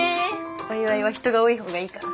お祝いは人が多いほうがいいから。